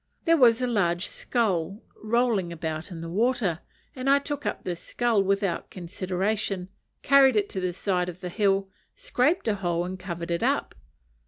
There was a large skull rolling about in the water, and I took up this skull without consideration, carried it to the side of the hill, scraped a hole, and covered it up.